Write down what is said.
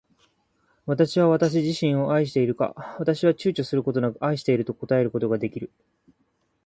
私は私自身を愛しているか。私は躊躇ちゅうちょすることなく愛していると答えることが出来る。